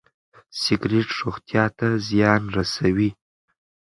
سګرټ روغتيا ته زيان رسوي.